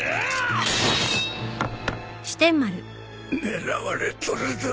狙われとるど